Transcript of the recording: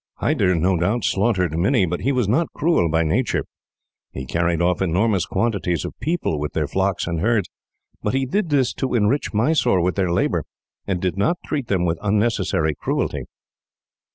Hyder, no doubt, slaughtered many, but he was not cruel by nature. He carried off enormous quantities of people, with their flocks and herds, but he did this to enrich Mysore with their labour, and did not treat them with unnecessary cruelty.